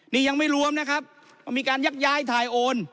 นี่ยังไม่รวมนะครับมีการยักย้ายถ่ายโอน